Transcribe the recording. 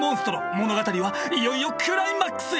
物語はいよいよクライマックスへ！